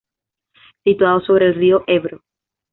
Situado sobre el río Ebro.